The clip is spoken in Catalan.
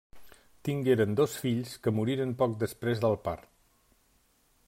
Tingueren dos fills que moriren poc després del part.